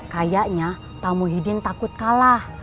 kayaknya tamu hidin takut kalah